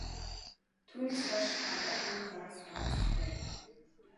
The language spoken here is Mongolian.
Түүнээс хойш арваад хоногийн дараа, Сарангаас захиа ирэв.